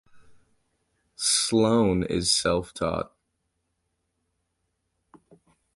Slone is self-taught.